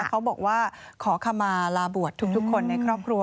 เขาบอกว่าขอขมาลาบวชทุกคนในครอบครัว